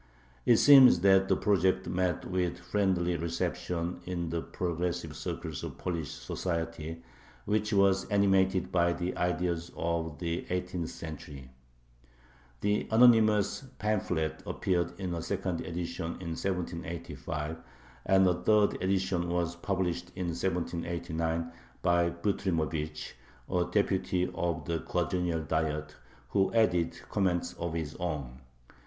It seems that the project met with a friendly reception in the progressive circles of Polish society, which were animated by the ideas of the eighteenth century. The anonymous pamphlet appeared in a second edition in 1785, and a third edition was published in 1789 by Butrymovich, a deputy of the Quadrennial Diet, who added comments of his own.